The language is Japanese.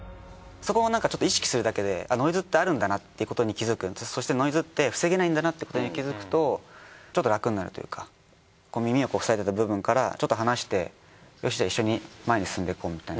そこをちょっと意識するだけでノイズってあるんだなっていうことに気づくそしてノイズって防げないんだなってことに気づくとちょっと楽になるというかこう耳をふさいでた部分からちょっと離してよしじゃあ一緒に前に進んでいこうみたいな。